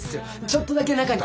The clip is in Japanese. ちょっとだけ中に。